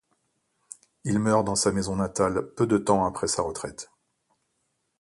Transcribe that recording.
Il meurt dans sa maison natale peu de temps après sa retraite.